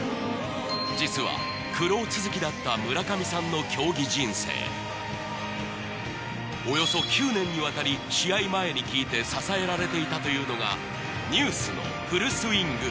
実は苦労続きだった村上さんの競技人生およそ９年にわたり試合前に聴いて支えられていたというのがＮＥＷＳの「フルスイング」